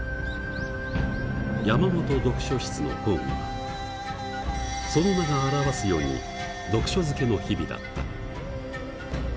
山本読書室の講義はその名が表すように読書漬けの日々だった。